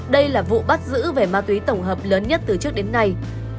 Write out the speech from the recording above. đây là vụ bắt giữ về ma túy tổng hợp lớn nhất từ trước đến nay